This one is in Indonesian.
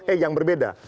eh yang berbeda